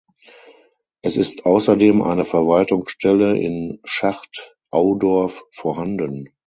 Es ist außerdem eine Verwaltungsstelle in Schacht-Audorf vorhanden.